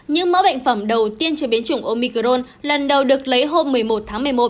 những mẫu bệnh phẩm đầu tiên chế biến chủng omicron lần đầu được lấy hôm một mươi một tháng một mươi một